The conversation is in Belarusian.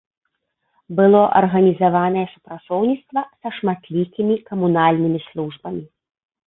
Было арганізаванае супрацоўніцтва са шматлікімі камунальнымі службамі.